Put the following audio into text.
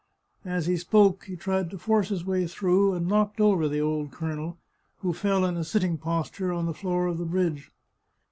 " As he spoke he tried to force his way through, and knocked over the old colonel, who fell in a sitting posture on the floor of the bridge.